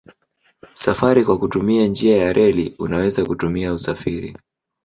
Safari kwa kutumia njia ya reli unaweza kutumia usafiri